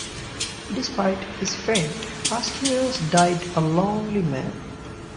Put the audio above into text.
Despite his fame, Astylos died a lonely man.